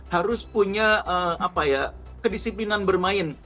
harus punya apa ya kedisiplinan bermain